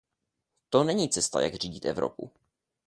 To není cesta, jak řídit Evropu.